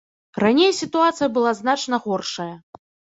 Раней сітуацыя была значна горшая.